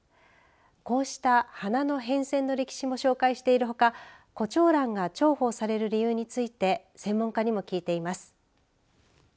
こうした花の変遷の歴史も紹介しているほかコチョウランが重宝される理由について専門家にも聞いています。